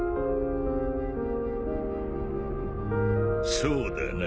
そうだな。